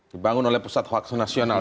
dibangun oleh pusat hoaks nasional